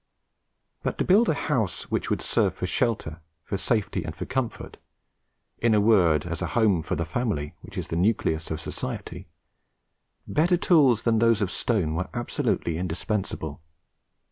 But to build a house which should serve for shelter, for safety, and for comfort in a word, as a home for the family, which is the nucleus of society better tools than those of stone were absolutely indispensable.